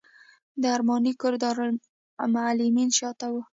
د ارماني کور د دارالمعلمین شاته و.